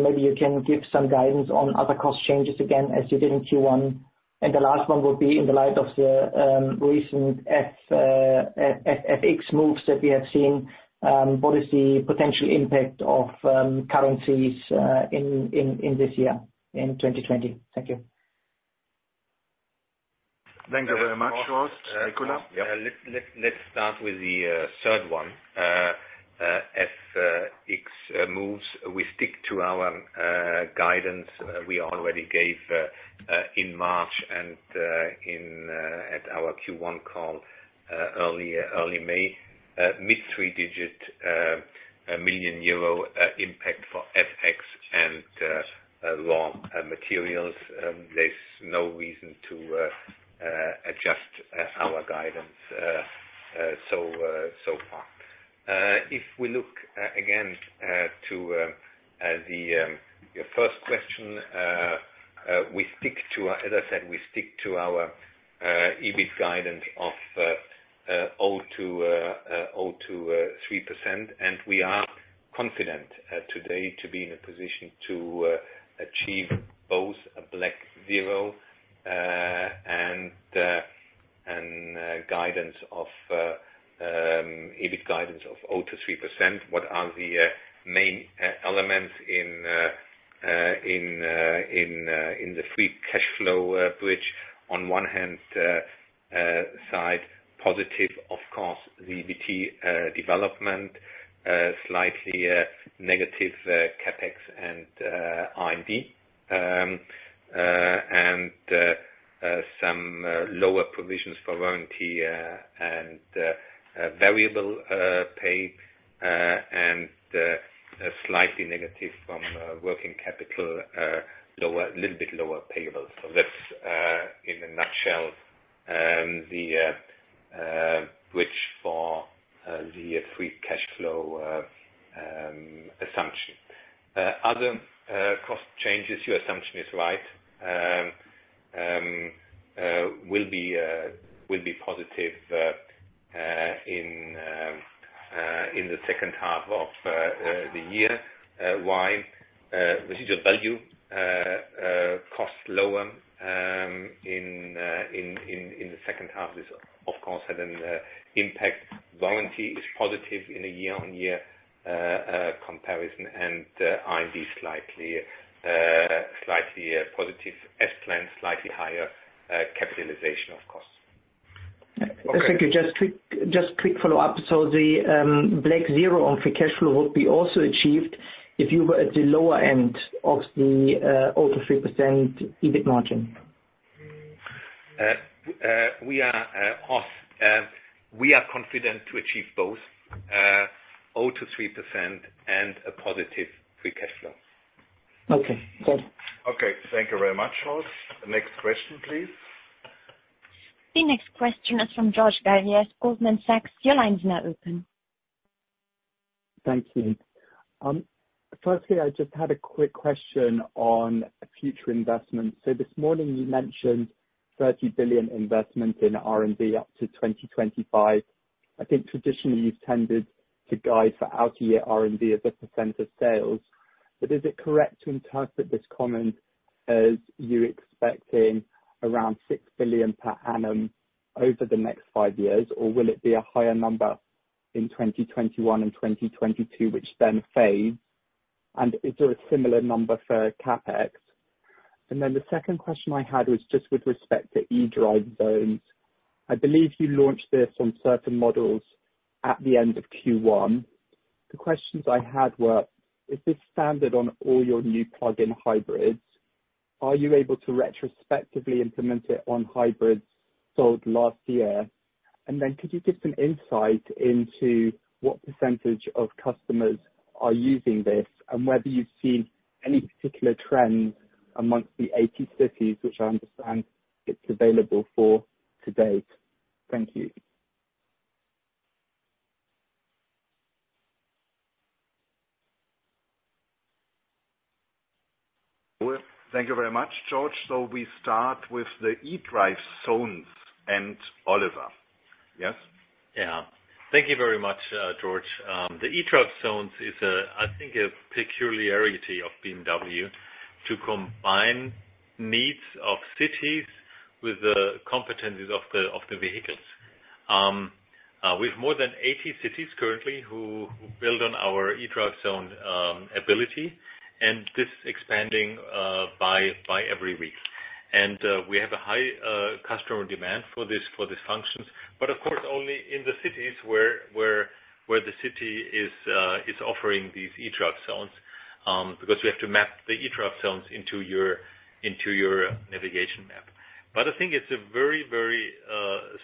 Maybe you can give some guidance on other cost changes again, as you did in Q1. The last one would be in the light of the recent FX moves that we have seen, what is the potential impact of currencies in this year, in 2020? Thank you. Thank you very much, Horst. Nicola? Let's start with the third one. FX moves, we stick to our guidance we already gave in March and at our Q1 call, early May. Mid-three digit million EUR impact for FX and raw materials. There's no reason to adjust our guidance so far. If we look again to your first question, as I said, we stick to our EBIT guidance of 0 to three percent, and we are confident today to be in a position to achieve both a black zero and an EBIT guidance of 0 to three percent. What are the main elements in the free cash flow bridge? On one hand side, positive, of course, the EBT development, slightly negative CapEx and R&D, and some lower provisions for warranty and variable pay, and slightly negative from working capital, a little bit lower payables. That's, in a nutshell, The black zero on free cash flow would be also achieved if you were at the lower end of the 0 to three percent EBIT margin. We are confident to achieve both 0 to three percent and a positive free cash flow. Okay, good. Okay. Thank you very much, Horst. The next question, please. The next question is from George Galliers, Goldman Sachs. Your line is now open. Thank you. Firstly, I just had a quick question on future investments. This morning you mentioned 30 billion investment in R&D up to 2025. I think traditionally you've tended to guide for out-year R&D as a percent of sales. Is it correct to interpret this comment as you expecting around 6 billion per annum over the next five years? Will it be a higher number in 2021 and 2022, which then fades? Is there a similar number for CapEx? The second question I had was just with respect to eDrive Zones. I believe you launched this on certain models at the end of Q1. The questions I had were, is this standard on all your new plug-in hybrids? Are you able to retrospectively implement it on hybrids sold last year? Could you give some insight into what percentage of customers are using this and whether you've seen any particular trends amongst the 80 cities which I understand it's available for to date? Thank you. Thank you very much, George. We start with the eDrive Zones and Oliver. Yes? Yeah. Thank you very much, George. The eDrive Zones is, I think, a peculiarity of BMW to combine needs of cities with the competencies of the vehicles. With more than 80 cities currently who build on our eDrive Zone ability, this expanding by every week. We have a high customer demand for these functions. Of course, only in the cities where the city is offering these eDrive Zones, because we have to map the eDrive Zones into your navigation map. I think it's a very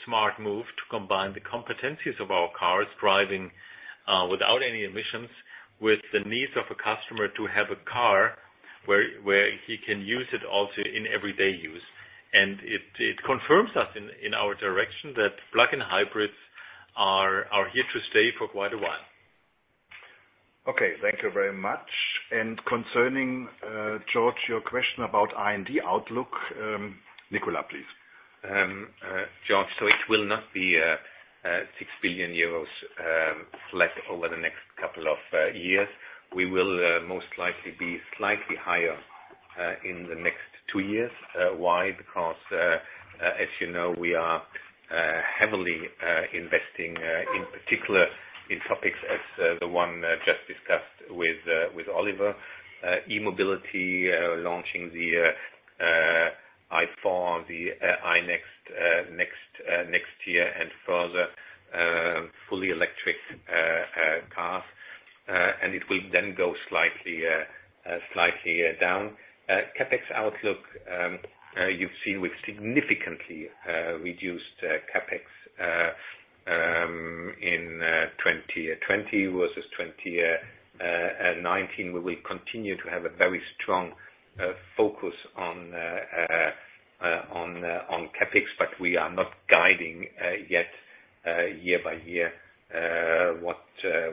smart move to combine the competencies of our cars driving without any emissions, with the needs of a customer to have a car where he can use it also in everyday use. It confirms us in our direction that plug-in hybrids are here to stay for quite a while. Okay. Thank you very much. Concerning, George, your question about R&D outlook, Nicolas, please. George, it will not be 6 billion euros flat over the next couple of years. We will most likely be slightly higher in the next two years. Why? As you know, we are heavily investing, in particular, in topics as the one just discussed with Oliver, e-mobility, launching the i4, the BMW iNEXT next year, and further fully electric cars. It will then go slightly down. CapEx outlook, you've seen we've significantly reduced CapEx in 2020 versus 2019. We will continue to have a very strong focus on CapEx, but we are not guiding yet year by year what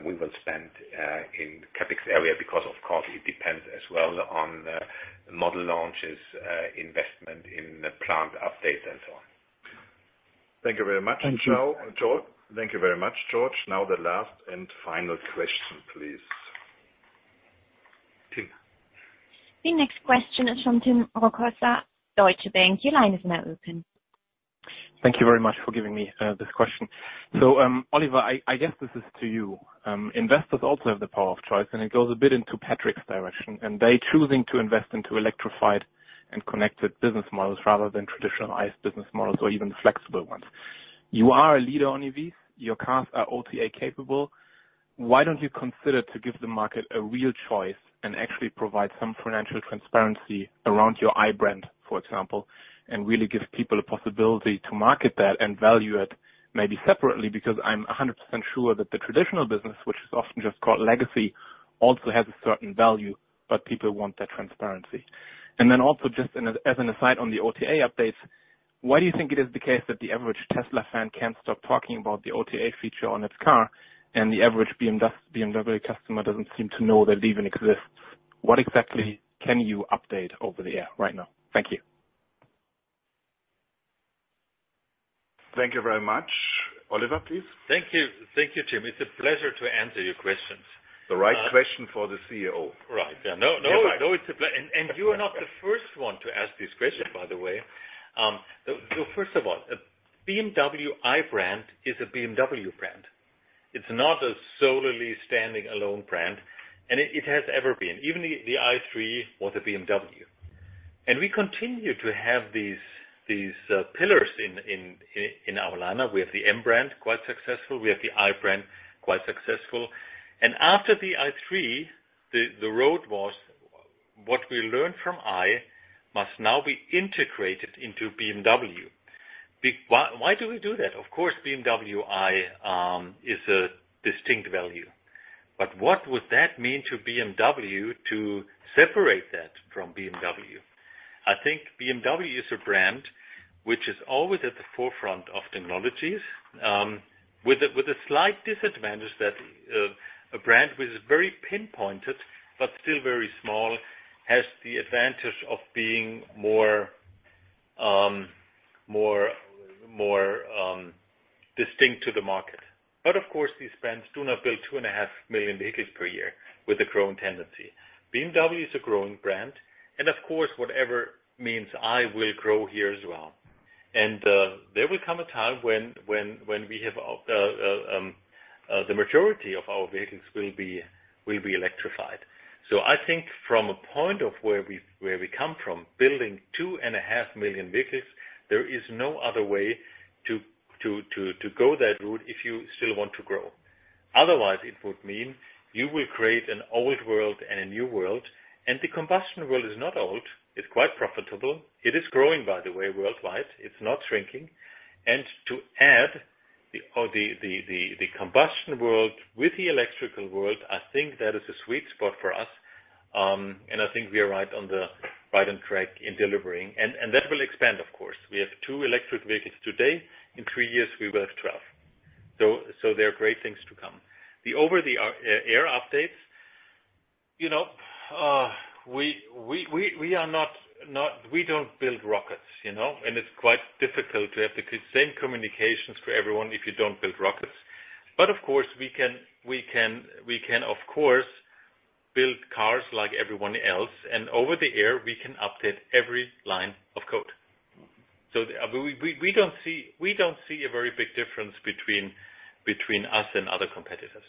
we will spend in CapEx area because, of course, it depends as well on the model launches, investment in the plant updates, and so on. Thank you very much. Thank you. Thank you very much, George. The last and final question, please. Tina. The next question is from Tim Rokossa, Deutsche Bank. Your line is now open. Thank you very much for giving me this question. Oliver, I guess this is to you. Investors also have the power of choice, and it goes a bit into Patrick's direction, and they're choosing to invest into electrified and connected business models rather than traditional ICE business models or even the flexible ones. You are a leader on EVs. Your cars are OTA capable. Why don't you consider to give the market a real choice and actually provide some financial transparency around your i brand, for example, and really give people a possibility to market that and value it maybe separately? Because I'm 100% sure that the traditional business, which is often just called legacy, also has a certain value, but people want that transparency. Also just as an aside on the OTA updates, why do you think it is the case that the average Tesla fan can't stop talking about the OTA feature on its car, and the average BMW customer doesn't seem to know that it even exists? What exactly can you update over-the-air right now? Thank you. Thank you very much. Oliver, please. Thank you, Tim. It's a pleasure to answer your questions. The right question for the CEO. Right. Yeah. No, it's a pleasure. You are not the first one to ask this question, by the way. First of all, a BMW i brand is a BMW brand. It's not a solely standing alone brand, and it has ever been. Even the i3 was a BMW. We continue to have these pillars in our lineup. We have the M brand, quite successful. We have the i brand, quite successful. After the i3, the road was what we learned from i, must now be integrated into BMW. Why do we do that? Of course, BMW i is a distinct value. What would that mean to BMW to separate that from BMW? I think BMW is a brand which is always at the forefront of technologies, with a slight disadvantage that a brand which is very pinpointed, but still very small, has the advantage of being more distinct to the market. Of course, these brands do not build two and a half million vehicles per year with a growing tendency. BMW is a growing brand, of course, whatever means it will grow here as well. There will come a time when the majority of our vehicles will be electrified. I think from a point of where we come from, building two and a half million vehicles, there is no other way to go that route if you still want to grow. Otherwise, it would mean you will create an old world and a new world. The combustion world is not old. It's quite profitable. It is growing, by the way, worldwide. It's not shrinking. To add the combustion world with the electrical world, I think that is a sweet spot for us, and I think we are right on the right track in delivering. That will expand, of course. We have two electric vehicles today. In three years, we will have 12. There are great things to come. The over-the-air updates, we don't build rockets. It's quite difficult to have the same communications for everyone if you don't build rockets. Of course, we can build cars like everyone else, and over the air, we can update every line of code. We don't see a very big difference between us and other competitors.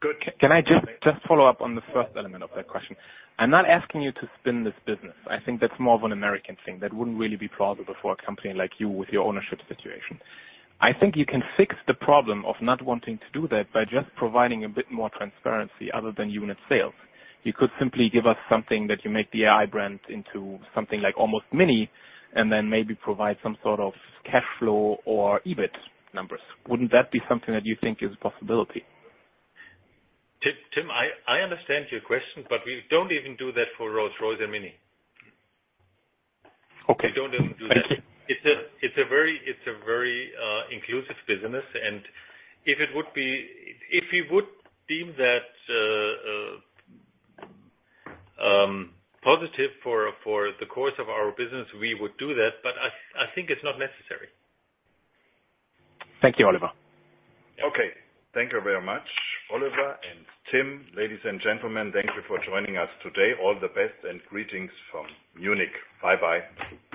Good. Can I just follow up on the first element of that question? I'm not asking you to spin this business. I think that's more of an American thing. That wouldn't really be plausible for a company like you with your ownership situation. I think you can fix the problem of not wanting to do that by just providing a bit more transparency other than unit sales. You could simply give us something that you make the i brand into something like almost MINI, and then maybe provide some sort of cash flow or EBIT numbers. Wouldn't that be something that you think is a possibility? Tim, I understand your question, but we don't even do that for Rolls-Royce and MINI. Okay. We don't even do that. Thank you. It's a very inclusive business, and if we would deem that positive for the course of our business, we would do that, but I think it's not necessary. Thank you, Oliver. Okay. Thank you very much, Oliver and Tim. Ladies and gentlemen, thank you for joining us today. All the best and greetings from Munich. Bye-bye.